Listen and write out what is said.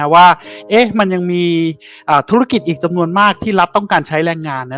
ว่ามันยังมีธุรกิจอีกจำนวนมากที่รัฐต้องการใช้แรงงาน